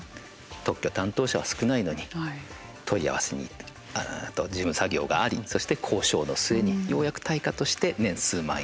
特許担当者は少ないのに問い合わせに、事務作業がありそして交渉の末にようやく対価として年数万円。